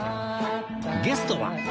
ゲストは